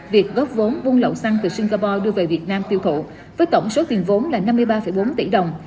việc góp vốn buôn lậu xăng từ singapore đưa về việt nam tiêu thụ với tổng số tiền vốn là năm mươi ba bốn tỷ đồng